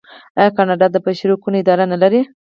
آیا کاناډا د بشري حقونو اداره نلري؟